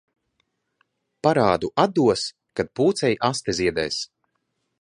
Parādu atdos, kad pūcei aste ziedēs.